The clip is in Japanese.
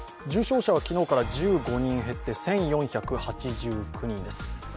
重症者は昨日から１５人減って１４８９人です。